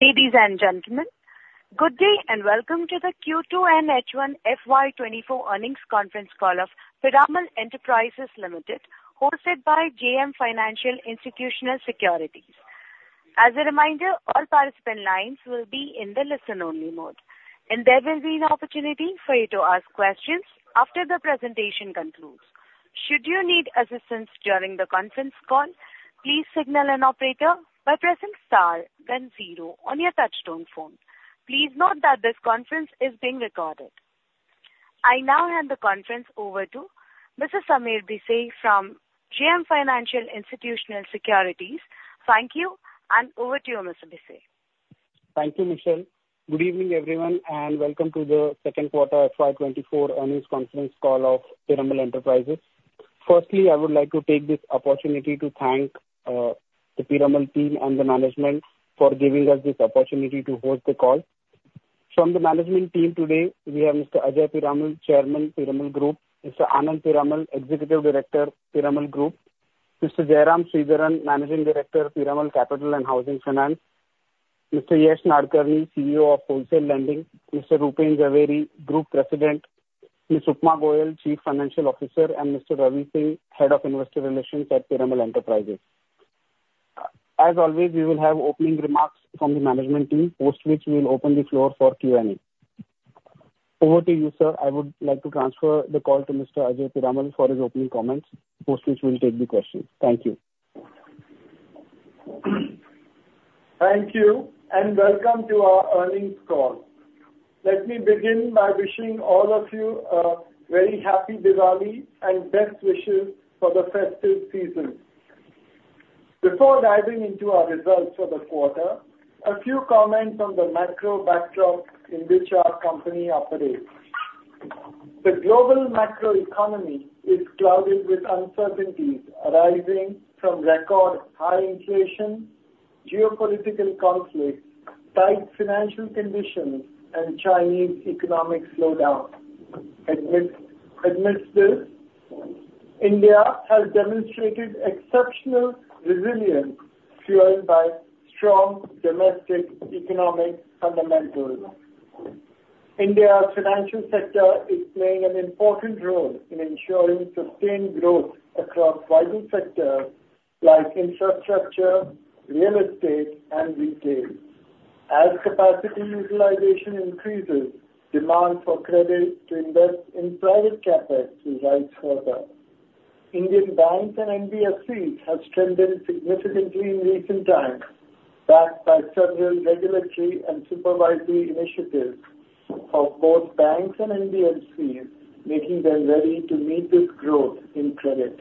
Ladies and gentlemen, good day, and welcome to the Q2 and H1 FY24 earnings conference call of Piramal Enterprises Limited, hosted by JM Financial Institutional Securities. As a reminder, all participant lines will be in the listen-only mode, and there will be an opportunity for you to ask questions after the presentation concludes. Should you need assistance during the conference call, please signal an operator by pressing star then zero on your touchtone phone. Please note that this conference is being recorded. I now hand the conference over to Mr. Sameer Desai from JM Financial Institutional Securities. Thank you, and over to you, Mr. Desai. Thank you, Michelle. Good evening, everyone, and welcome to the second quarter FY 2024 earnings conference call of Piramal Enterprises. Firstly, I would like to take this opportunity to thank the Piramal team and the management for giving us this opportunity to host the call. From the management team today, we have Mr. Ajay Piramal, Chairman, Piramal Group; Mr. Anand Piramal, Executive Director, Piramal Group; Mr. Jairam Sridharan, Managing Director, Piramal Capital & Housing Finance; Mr. Yesh Nadkarni, CEO of Wholesale Lending; Mr. Rupen Jhaveri, Group President; Ms. Upma Goel, Chief Financial Officer; and Mr. Ravi Singh, Head of Investor Relations at Piramal Enterprises. As always, we will have opening remarks from the management team, post which we will open the floor for Q&A. Over to you, sir. I would like to transfer the call to Mr. Ajay Piramal for his opening comments, post which we'll take the questions. Thank you. Thank you, and welcome to our earnings call. Let me begin by wishing all of you a very happy Diwali and best wishes for the festive season. Before diving into our results for the quarter, a few comments on the macro backdrop in which our company operates. The global macroeconomy is clouded with uncertainties arising from record high inflation, geopolitical conflicts, tight financial conditions, and Chinese economic slowdown. Amidst this, India has demonstrated exceptional resilience, fueled by strong domestic economic fundamentals. India's financial sector is playing an important role in ensuring sustained growth across vital sectors like infrastructure, real estate and retail. As capacity utilization increases, demand for credit to invest in private capacity rises further. Indian banks and NBFCs have strengthened significantly in recent times, backed by several regulatory and supervisory initiatives of both banks and NBFCs, making them ready to meet this growth in credit.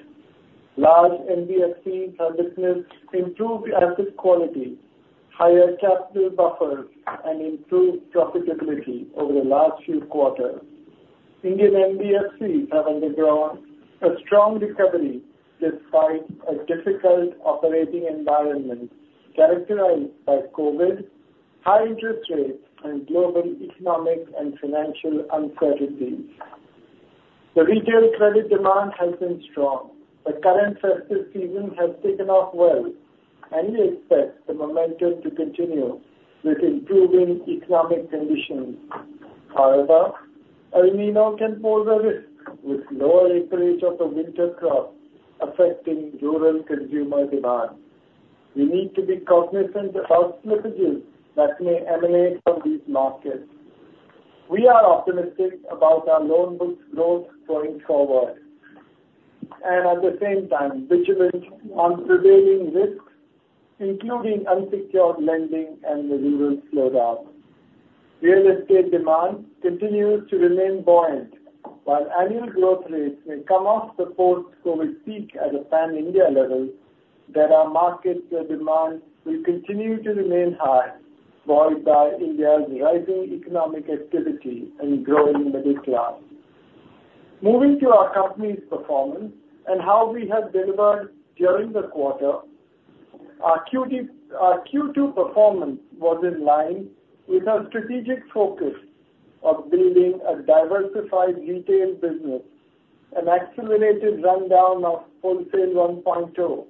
Large NBFCs have witnessed improved asset quality, higher capital buffers, and improved profitability over the last few quarters. Indian NBFCs have undergone a strong recovery despite a difficult operating environment characterized by COVID, high interest rates, and global economic and financial uncertainties. The retail credit demand has been strong. The current festive season has taken off well, and we expect the momentum to continue with improving economic conditions. However, El Niño can pose a risk, with lower acreage of the winter crop affecting rural consumer demand. We need to be cognizant about slippages that may emanate from these markets. We are optimistic about our loan book growth going forward, and at the same time, vigilant on prevailing risks, including unsecured lending and the rural slowdown. Real estate demand continues to remain buoyant. While annual growth rates may come off the post-COVID peak at a pan-India level, there are markets where demand will continue to remain high, buoyed by India's rising economic activity and growing middle class. Moving to our company's performance and how we have delivered during the quarter, our Q2, our Q2 performance was in line with our strategic focus of building a diversified retail business, an accelerated rundown of Wholesale 1.0,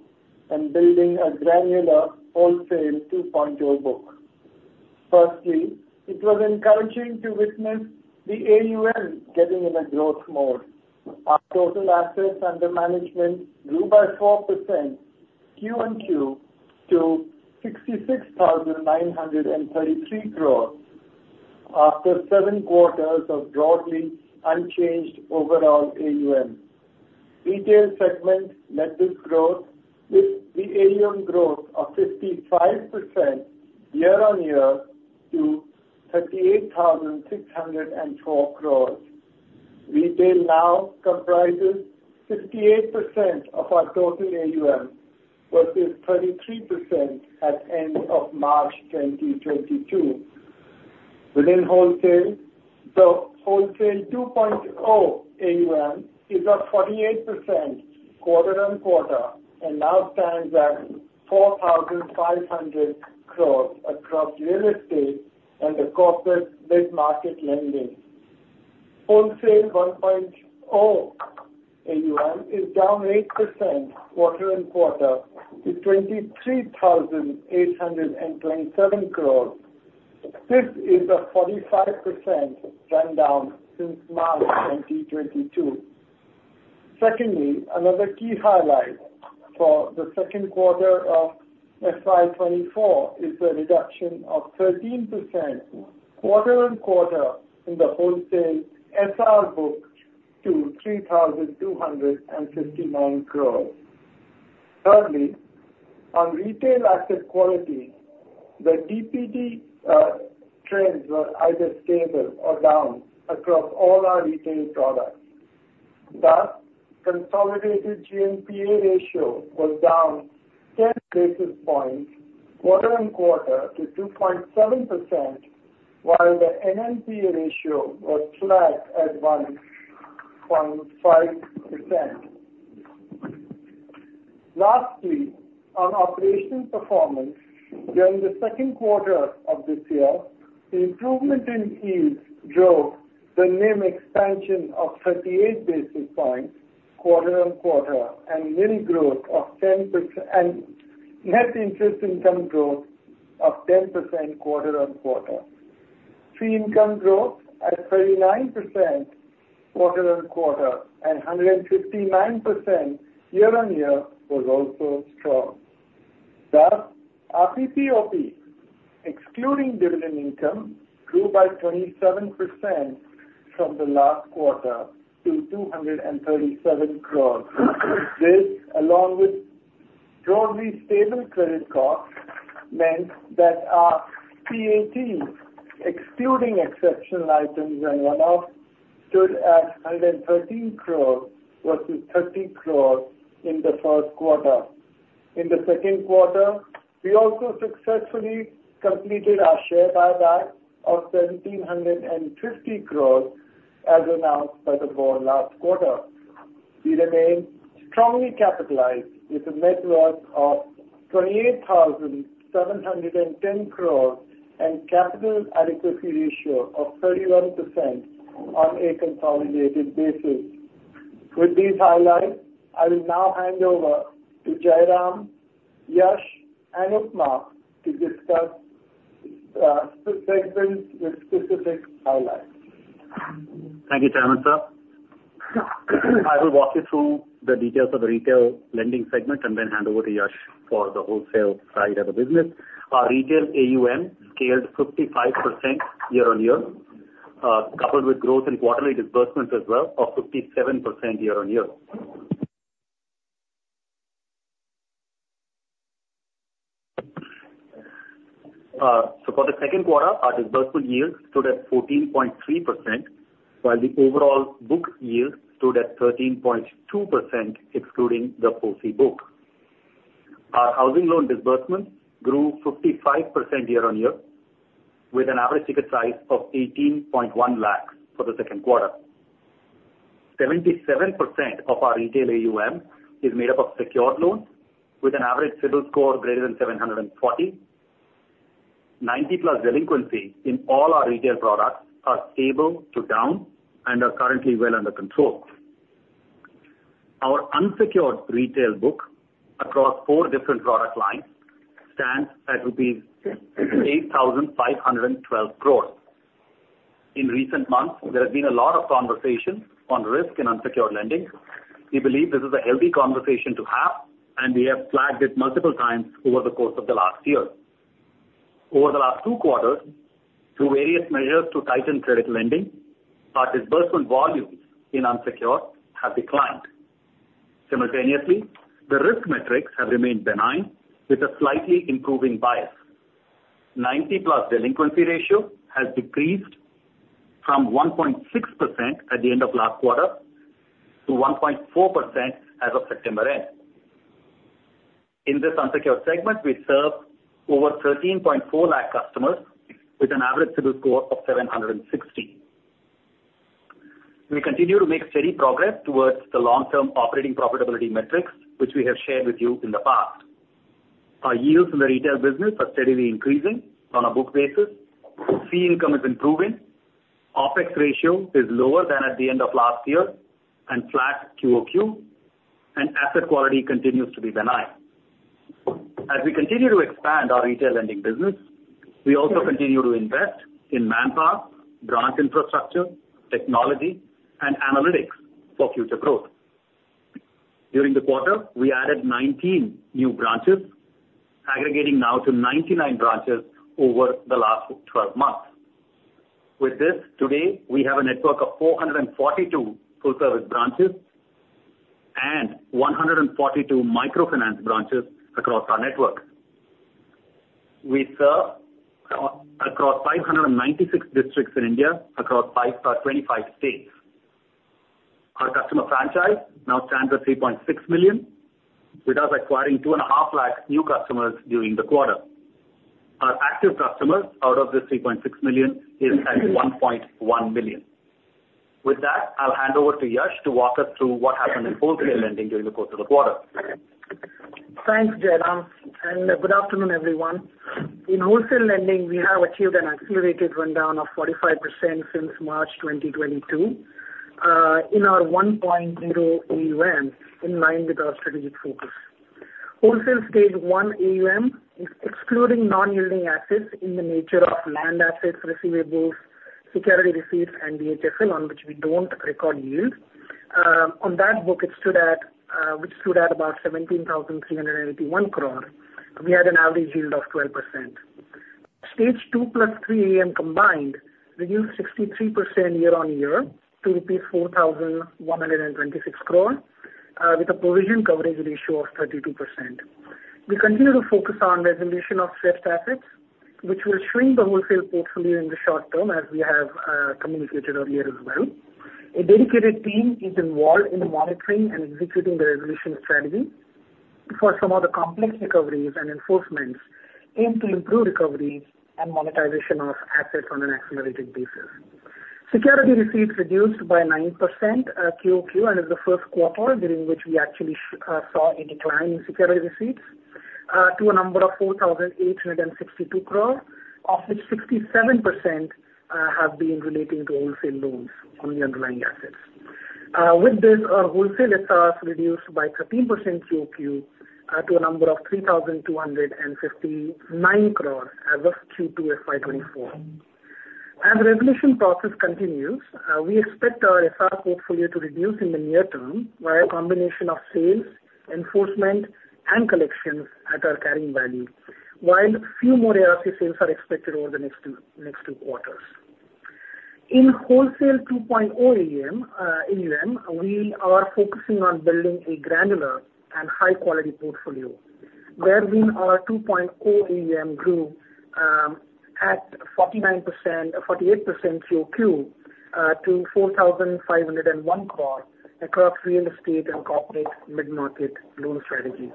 and building a granular Wholesale 2.0 book. Firstly, it was encouraging to witness the AUM getting in a growth mode. Our total assets under management grew by 4% quarter-on-quarter to 66,933 crore after seven quarters of broadly unchanged overall AUM. Retail segment led this growth, with the AUM growth of 55% year-on-year to 38,604 crore. Retail now comprises 58% of our total AUM, versus 33% at end of March 2022. Within wholesale, the Wholesale 2.0 AUM is up 48% quarter-on-quarter and now stands at 4,500 crore across real estate and the corporate mid-market lending. Wholesale 1.0 AUM is down 8% quarter-on-quarter to 23,827 crore. This is a 45% rundown since March 2022. Secondly, another key highlight for the second quarter of FY 2024 is a reduction of 13% quarter-on-quarter in the wholesale SR book to 3,259 crore. Thirdly, on retail asset quality, the DPD trends were either stable or down across all our retail products. Thus, consolidated GNPA ratio was down 10 basis points quarter-on-quarter to 2.7%, while the NNPA ratio was flat at 1.5%. Lastly, on operational performance, during the second quarter of this year, the improvement in yields drove the NIM expansion of 38 basis points quarter-on-quarter and NIM growth of 10% and net interest income growth of 10% quarter-on-quarter. Fee income growth at 39% quarter-on-quarter and 159% year-on-year was also strong. Thus, our PPOP, excluding dividend income, grew by 27% from the last quarter to 237 crore. This, along with broadly stable credit costs, meant that our PAT, excluding exceptional items and one-off, stood at 113 crore versus 30 crore in the first quarter. In the second quarter, we also successfully completed our share buyback of 1,750 crore, as announced by the Board last quarter. We remain strongly capitalized with a net worth of 28,710 crore and capital adequacy ratio of 31% on a consolidated basis. With these highlights, I will now hand over to Jairam, Yesh, and Upma to discuss the segments with specific highlights. Thank you, Chairman, sir. I will walk you through the details of the retail lending segment and then hand over to Yesh for the wholesale side of the business. Our retail AUM scaled 55% year-on-year, coupled with growth in quarterly disbursements as well of 57% year-on-year. So for the second quarter, our disbursement yields stood at 14.3%, while the overall book yield stood at 13.2%, excluding the POCI book. Our housing loan disbursements grew 55% year-on-year, with an average ticket size of 18.1 lakhs for the second quarter. 77% of our retail AUM is made up of secured loans, with an average CIBIL score greater than 740. 90+ delinquency in all our retail products are stable to down and are currently well under control. Our unsecured retail book across four different product lines stands at 8,512 crores. In recent months, there have been a lot of conversations on risk and unsecured lending. We believe this is a healthy conversation to have, and we have flagged it multiple times over the course of the last year. Over the last two quarters, through various measures to tighten credit lending, our disbursement volumes in unsecured have declined. Simultaneously, the risk metrics have remained benign, with a slightly improving bias. 90+ delinquency ratio has decreased from 1.6% at the end of last quarter to 1.4% as of September end. In this unsecured segment, we served over 13.4 lakh customers with an average CIBIL score of 760. We continue to make steady progress towards the long-term operating profitability metrics, which we have shared with you in the past. Our yields in the retail business are steadily increasing on a book basis. Fee income is improving, OpEx ratio is lower than at the end of last year and flat QOQ, and asset quality continues to be benign. As we continue to expand our retail lending business, we also continue to invest in manpower, branch infrastructure, technology, and analytics for future growth. During the quarter, we added 19 new branches, aggregating now to 99 branches over the last 12 months. With this, today, we have a network of 442 full-service branches and 142 microfinance branches across our network. We serve across 596 districts in India across 25 states. Our customer franchise now stands at 3.6 million, with us acquiring 250,000 new customers during the quarter. Our active customers out of this 3.6 million is at 1.1 million. With that, I'll hand over to Yesh to walk us through what happened in Wholesale Lending during the course of the quarter.... Thanks, Jairam, and good afternoon, everyone. In Wholesale Lending, we have achieved an accelerated rundown of 45% since March 2022, in our 1.0 AUM, in line with our strategic focus. Wholesale Stage 1 AUM, excluding non-yielding assets in the nature of land assets, receivables, Security Receipts, and DHFL, on which we don't record yield. On that book, it stood at, which stood at about 17,381 crore. We had an average yield of 12%. Stage 2 + 3 AUM combined reduced 63% year-on-year to rupees 4,126 crore, with a provision coverage ratio of 32%. We continue to focus on resolution of stressed assets, which will shrink the wholesale portfolio in the short term, as we have communicated earlier as well. A dedicated team is involved in monitoring and executing the resolution strategy for some of the complex recoveries and enforcements, aim to improve recoveries and monetization of assets on an accelerated basis. Security Receipts reduced by 9% QoQ, and is the first quarter during which we actually saw a decline in Security Receipts to a number of 4,862 crore, of which 67% have been relating to wholesale loans on the underlying assets. With this, our wholesale SRs reduced by 13% QoQ to a number of 3,259 crore as of Q2 FY 2024. As the resolution process continues, we expect our SR portfolio to reduce in the near term by a combination of sales, enforcement, and collections at our carrying value, while a few more ARC sales are expected over the next two quarters. In Wholesale 2.0 AUM, we are focusing on building a granular and high-quality portfolio, wherein our 2.0 AUM grew at 48% QoQ to 4,501 crore across real estate and corporate mid-market loan strategies.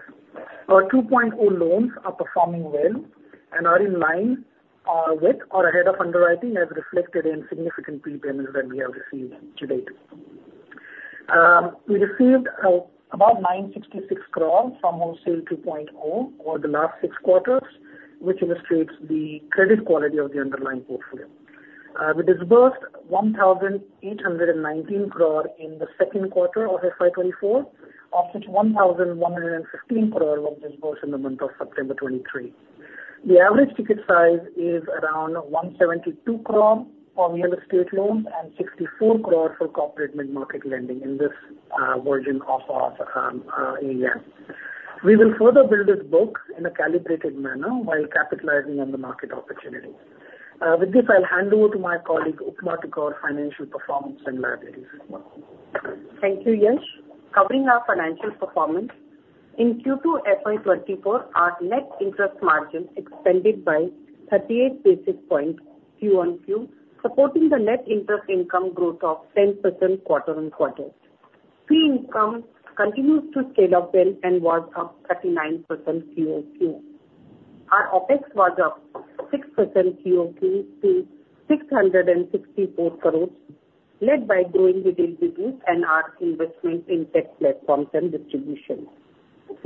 Our 2.0 loans are performing well and are in line with or ahead of our underwriting, as reflected in significant prepayments that we have received to date. We received about 966 crore from Wholesale 2.0 over the last six quarters, which illustrates the credit quality of the underlying portfolio. We disbursed 1,819 crore in the second quarter of FY 2024, of which 1,115 crore was disbursed in the month of September 2023. The average ticket size is around 172 crore for real estate loans and 64 crore for corporate mid-market lending in this version of our AUM. We will further build this book in a calibrated manner while capitalizing on the market opportunity. With this, I'll hand over to my colleague, Upma, to cover financial performance and liabilities as well. Thank you, Yesh. Covering our financial performance, in Q2 FY 2024, our net interest margin expanded by 38 basis points QoQ, supporting the net interest income growth of 10% quarter-on-quarter. Fee income continues to scale up well and was up 39% QoQ. Our OpEx was up 6% QoQ to 664 crore, led by growing with business and our investment in tech platforms and distribution.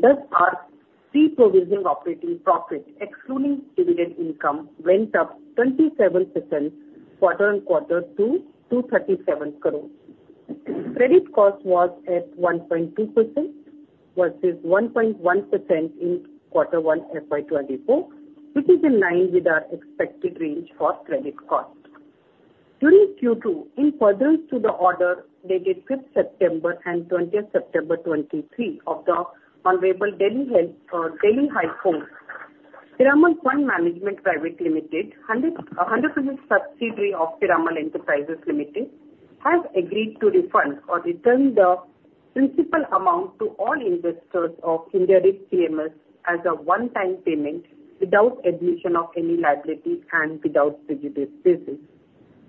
Thus, our pre-provision operating profit, excluding dividend income, went up 27% quarter-on-quarter to 237 crore. Credit cost was at 1.2%, versus 1.1% in Q1 FY 2024, which is in line with our expected range for credit cost. During Q2, in furtherance to the order dated fifth September and twentieth September 2023 of the Honorable Delhi High Court, Piramal Fund Management Private Limited, 100% subsidiary of Piramal Enterprises Limited, has agreed to refund or return the principal amount to all investors of IndiaREIT PMS as a one-time payment without admission of any liability and without prejudice basis.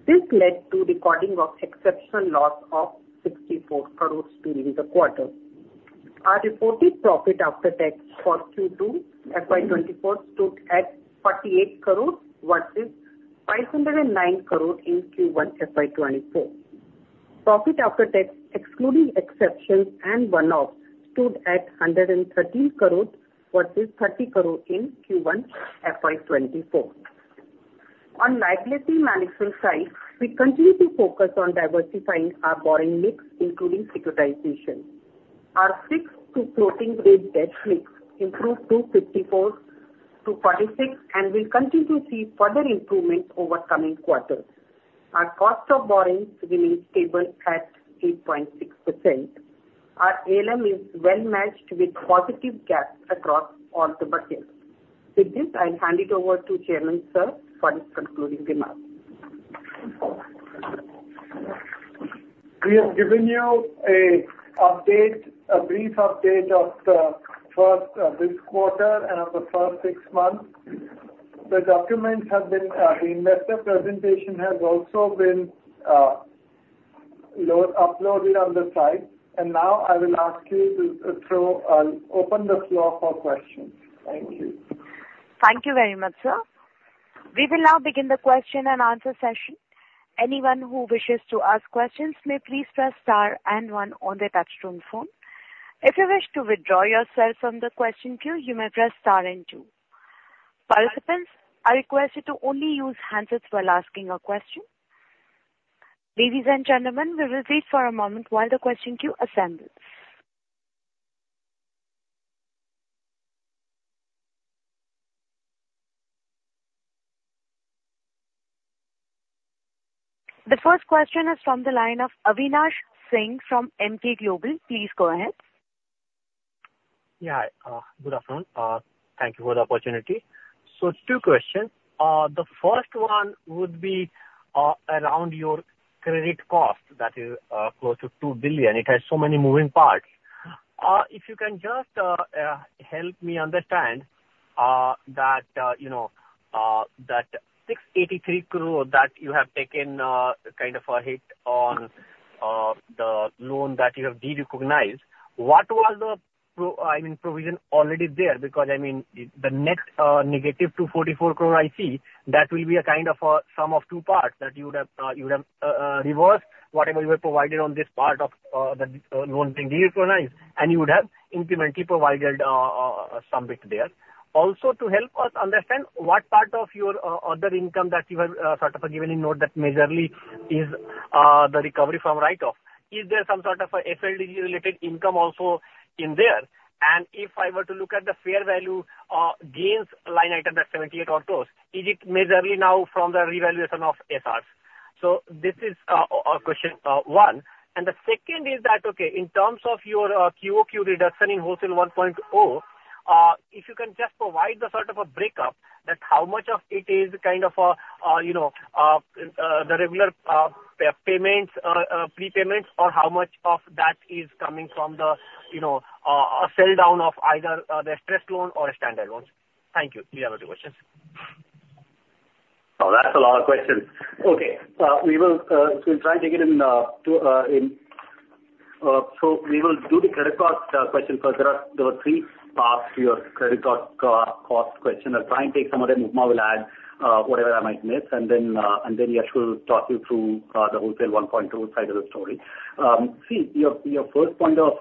This led to recording of exceptional loss of 64 crore during the quarter. Our reported profit after tax for Q2 FY 2024 stood at 48 crore, versus 509 crore in Q1 FY 2024. Profit after tax, excluding exceptions and one-off, stood at 113 crore, versus 30 crore in Q1 FY 2024. On liability management side, we continue to focus on diversifying our borrowing mix, including securitization. Our fixed-to-floating rate debt mix improved to 54-46, and we'll continue to see further improvements over coming quarters. Our cost of borrowings remains stable at 8.6%. Our ALM is well matched with positive gaps across all the buckets. With this, I'll hand it over to Chairman, sir, for his concluding remarks. We have given you an update, a brief update of this quarter and of the first six months. The documents have been, the investor presentation has also been uploaded on the site. Now I will ask you to throw open the floor for questions. Thank you. Thank you very much, sir.... We will now begin the question and answer session. Anyone who wishes to ask questions may please press star and one on their touchtone phone. If you wish to withdraw yourself from the question queue, you may press star and two. Participants, I request you to only use handsets while asking a question. Ladies and gentlemen, we will wait for a moment while the question queue assembles. The first question is from the line of Avinash Singh from Emkay Global. Please go ahead. Yeah. Good afternoon. Thank you for the opportunity. Two questions. The first one would be around your credit cost, that is close to 2 billion. It has so many moving parts. If you can just help me understand that, you know, that 683 crore that you have taken kind of a hit on, the loan that you have derecognized, what was the pro- I mean, provision already there? Because, I mean, the net -244 crore I see, that will be a kind of a sum of two parts, that you would have reversed whatever you were provided on this part of the loan being derecognized, and you would have incrementally provided some bit there. Also, to help us understand, what part of your other income that you have sort of given a note that majorly is the recovery from write-off. Is there some sort of a FLDG-related income also in there? And if I were to look at the fair value gains line item, that's 78 or close, is it majorly now from the revaluation of SRs? So this is question one. And the second is that, okay, in terms of your QoQ reduction in Wholesale 1.0, if you can just provide the sort of a breakup, that how much of it is kind of a you know the regular payments prepayments, or how much of that is coming from the you know a sell-down of either the stressed loan or standard loans? Thank you. We have other questions. Oh, that's a lot of questions. Okay, we will, we'll try and take it in two. So we will do the credit cost question first. There are, there were three parts to your credit cost question. I'll try and take some of them, and Upma will add whatever I might miss, and then and then Yesh will talk you through the Wholesale 1.0 side of the story. See, your, your first point of,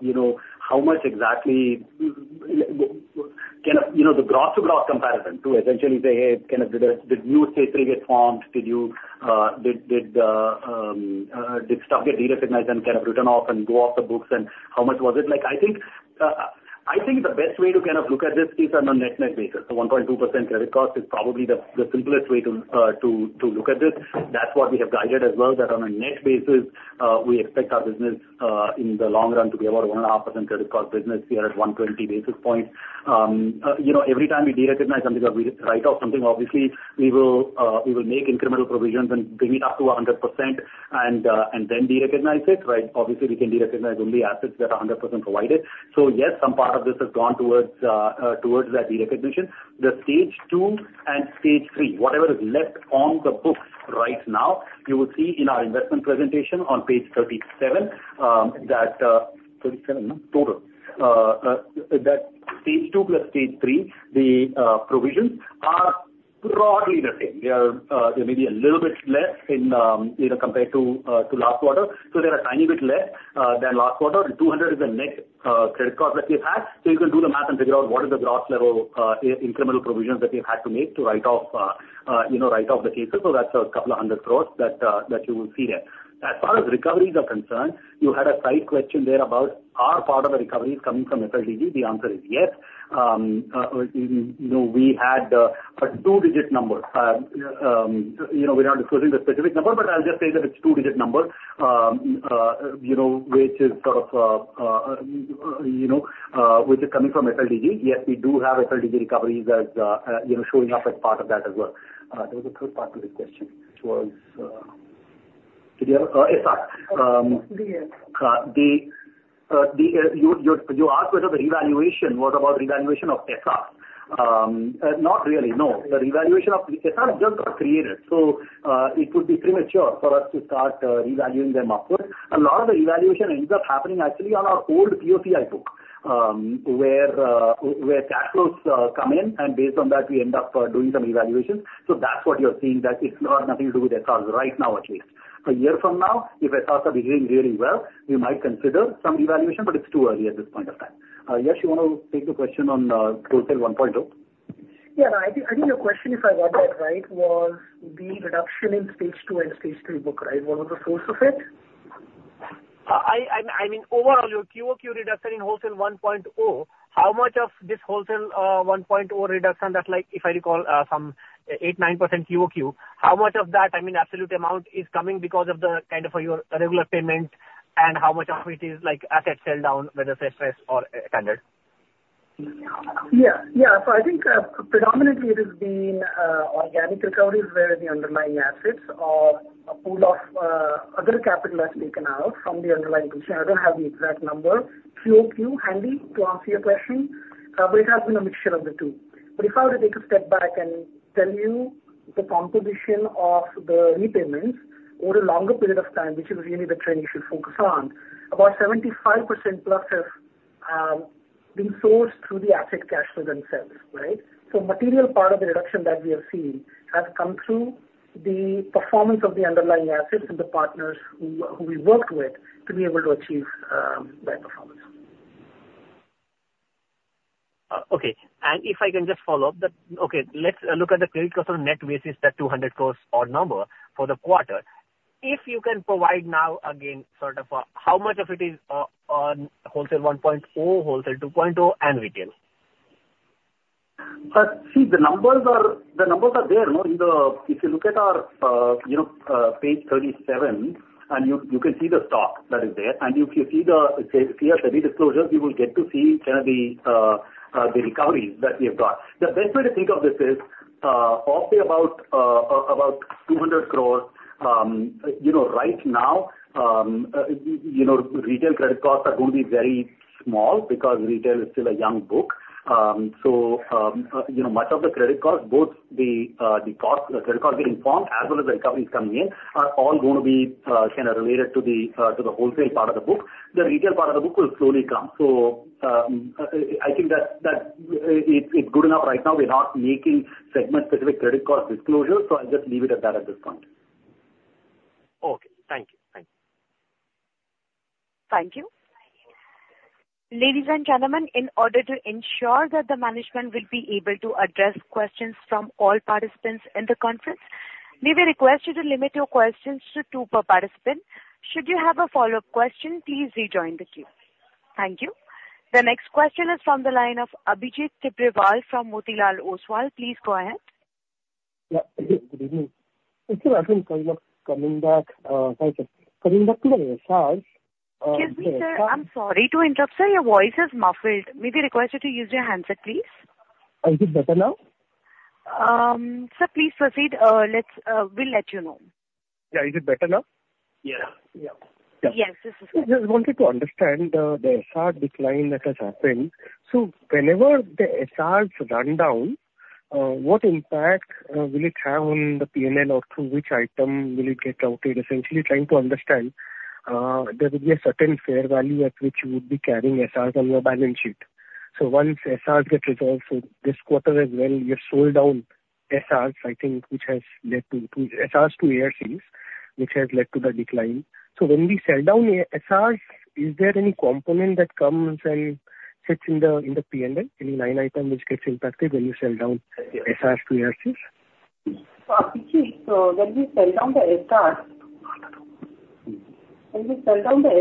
you know, how much exactly can, you know, the gross-to-gross comparison to essentially say, "Hey, kind of, did did you say previous forms? Did stock get derecognized and kind of written off and go off the books, and how much was it?" Like, I think the best way to kind of look at this is on a net-net basis. The 1.2% credit cost is probably the simplest way to look at this. That's what we have guided as well, that on a net basis, we expect our business in the long run to be about 1.5% credit cost business. We are at 120 basis points. You know, every time we derecognize something or we write off something, obviously, we will make incremental provisions and bring it up to 100% and then derecognize it, right? Obviously, we can derecognize only assets that are 100% provided. So yes, some part of this has gone towards that derecognition. The Stage 2 and Stage 3, whatever is left on the books right now, you will see in our investment presentation on page 37, that 37 total, that stage two plus stage three, the provisions are broadly the same. They are, they may be a little bit less in, you know, compared to last quarter. So they're a tiny bit less than last quarter, and 200 is the net credit cost that we've had. So you can do the math and figure out what is the gross level incremental provisions that we had to make to write off, you know, write off the cases. So that's a couple of 100 crore that, that you will see there. As far as recoveries are concerned, you had a right question there about, are part of the recoveries coming from FLDG? The answer is yes. You know, we had, a two-digit number. You know, we're not disclosing the specific number, but I'll just say that it's two-digit number, you know, which is sort of, you know, which is coming from FLDG. Yes, we do have FLDG recoveries as, you know, showing up as part of that as well. There was a third part to the question, which was, did you have... Yes, sir. Yes. You asked whether the revaluation was about revaluation of SRs. Not really, no. Okay. The revaluation of the SRs just got created, so it would be premature for us to start revaluing them upwards. A lot of the revaluation ends up happening actually on our old POCI book, where cash flows come in, and based on that, we end up doing some evaluations. So that's what you're seeing, that it's got nothing to do with SRs right now, at least. A year from now, if SRs are behaving really well, we might consider some evaluation, but it's too early at this point of time. Yesh, you want to take the question on Wholesale 1.0? Yeah, I think, I think your question, if I got that right, was the reduction in stage two and stage three book, right? What was the source of it? I mean, overall, your QoQ reduction in Wholesale 1.0, how much of this Wholesale 1.0 reduction, that's like, if I recall, some 8%-9% QoQ, how much of that, I mean, absolute amount, is coming because of the kind of your regular payment, and how much of it is like asset sell down, whether it's stressed or standard? Yeah. Yeah, so I think, predominantly it has been, organic recoveries where the underlying assets or a pool of, other capital has been taken out from the underlying position. I don't have the exact number, QoQ handy to answer your question, but it has been a mixture of the two. But if I were to take a step back and tell you the composition of the repayments over a longer period of time, which is really the trend you should focus on, about 75% plus has-... being sourced through the asset cash flows themselves, right? So material part of the reduction that we have seen has come through the performance of the underlying assets and the partners who we worked with to be able to achieve that performance. Okay. And if I can just follow up that. Okay, let's look at the credit cost on net basis, that 200 crore odd number for the quarter. If you can provide now again, sort of, how much of it is on Wholesale 1.0, Wholesale 2.0 and retail? See, the numbers are there, no? If you look at our, you know, page 37, and you can see the stock that is there. If you see our study disclosure, you will get to see kind of the recoveries that we have got. The best way to think of this is roughly about 200 crore, you know, right now, you know, retail credit costs are going to be very small because retail is still a young book. So, you know, much of the credit costs, both the credit costs getting formed as well as the recoveries coming in, are all going to be kind of related to the wholesale part of the book. The retail part of the book will slowly come. So, I think that it's good enough right now. We're not making segment-specific credit cost disclosures, so I'll just leave it at that at this point. Okay, thank you. Thank you. Thank you. Ladies and gentlemen, in order to ensure that the management will be able to address questions from all participants in the conference, may we request you to limit your questions to two per participant. Should you have a follow-up question, please rejoin the queue. Thank you. The next question is from the line of Abhijit Tibrewal from Motilal Oswal. Please go ahead. Yeah, good evening. So I think kind of coming back to the SRs. Excuse me, sir, I'm sorry to interrupt. Sir, your voice is muffled. May we request you to use your handset, please? Is it better now? Sir, please proceed. Let's, we'll let you know. Yeah, is it better now? Yeah. Yeah. Yes, this is better. I just wanted to understand, the sharp decline that has happened. So whenever the SRs run down, what impact will it have on the P&L, or through which item will it get outed? Essentially, trying to understand, there will be a certain fair value at which you would be carrying SRs on your balance sheet. So once SRs get resolved, so this quarter as well, you have sold down SRs, I think, which has led to, to SRs to ARCs, which has led to the decline. So when we sell down a SRs, is there any component that comes and sits in the, in the P&L, any line item which gets impacted when you sell down SRs to ARCs? Abhijit, when we sell down the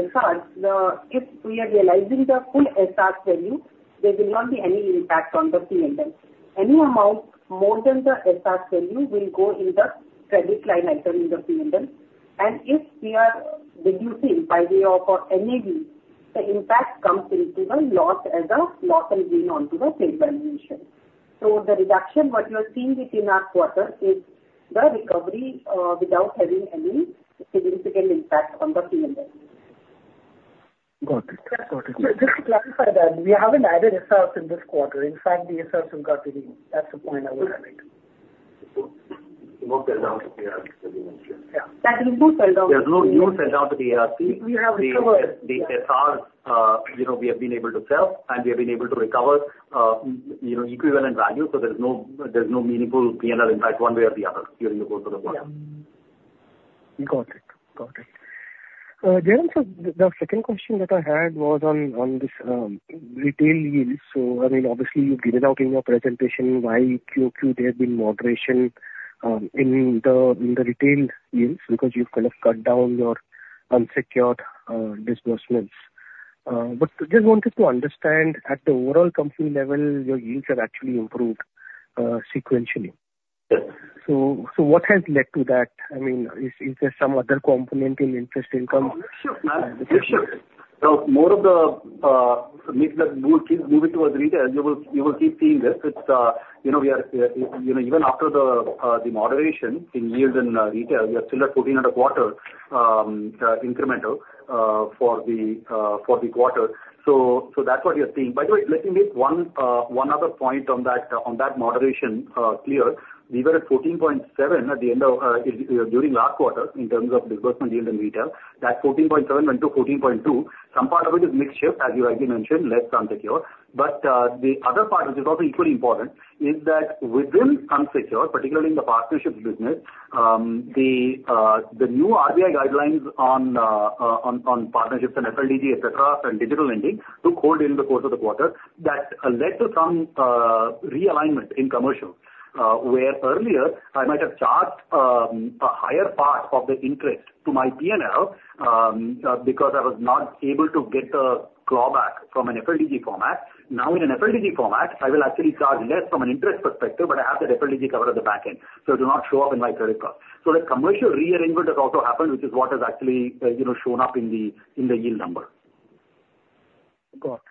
SRs, if we are realizing the full SR value, there will not be any impact on the P&L. Any amount more than the SR value will go in the credit line item in the P&L. And if we are reducing by way of or any, the impact comes into the loss as a loss and gain onto the same valuation. So the reduction, what you are seeing within our quarter, is the recovery, without having any significant impact on the P&L. Got it. Got it. Just to clarify that, we haven't added SRs in this quarter. In fact, the SRs have got reduced. That's the point I would have made. No sell down to the ARCs. Yeah. There's no sell down. There's no new sell down to the ARCs. We have recovered. The SR, you know, we have been able to sell, and we have been able to recover, you know, equivalent value, so there's no meaningful P&L impact one way or the other during the course of the quarter. Got it. Got it. Then, sir, the second question that I had was on this retail yields. So I mean, obviously, you've given out in your presentation why QoQ there have been moderation in the retail yields, because you've kind of cut down your unsecured disbursements. But just wanted to understand, at the overall company level, your yields have actually improved sequentially. Yes. So what has led to that? I mean, is there some other component in interest income? Sure, sure. So more of the, mix that move, is moving towards retail, you will, you will keep seeing this. It's, you know, we are, you know, even after the, the moderation in yields in, retail, we are still at 14.25, incremental, for the, for the quarter. So, so that's what you're seeing. By the way, let me make one, one other point on that, on that moderation, clear. We were at 14.7 at the end of, during last quarter in terms of disbursement yield in retail. That 14.7 went to 14.2. Some part of it is mix shift, as you rightly mentioned, less unsecured. But the other part, which is also equally important, is that within unsecured, particularly in the partnerships business, the new RBI guidelines on partnerships and FLDGs, et cetera, and digital lending took hold in the course of the quarter. That led to some realignment in commercial, where earlier, I might have charged a higher part of the interest to my P&L, because I was not able to get a clawback from an FLDG format. Now, in an FLDG format, I will actually charge less from an interest perspective, but I have the FLDG cover at the back end, so it do not show up in my credit cost. So the commercial rearrangement has also happened, which is what has actually, you know, shown up in the yield number. Got it.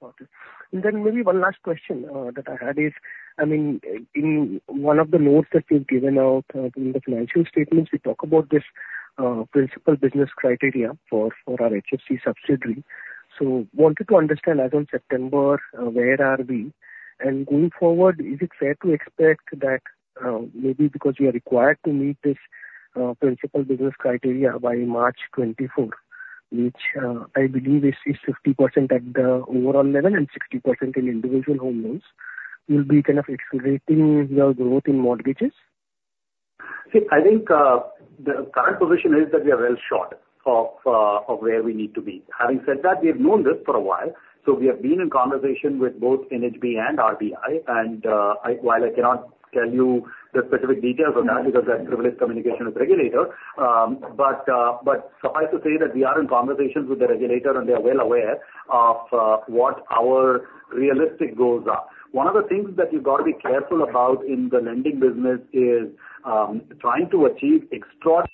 Got it. And then maybe one last question that I had is, I mean, in one of the notes that you've given out in the financial statements, you talk about this Principal Business Criteria for our HFC subsidiary. So wanted to understand, as on September, where are we? And going forward, is it fair to expect that maybe because you are required to meet this Principal Business Criteria by March 2024, which I believe is 50% at the overall level and 60% in individual home loans, will be kind of accelerating your growth in mortgages? See, I think, the current position is that we are well short of, of where we need to be. Having said that, we have known this for a while, so we have been in conversation with both NHB and RBI, and, while I cannot tell you the specific details of that, because that's privileged communication with regulator, but, but suffice to say that we are in conversations with the regulator, and they are well aware of, what our realistic goals are. One of the things that you've got to be careful about in the lending business is, trying to achieve extraord-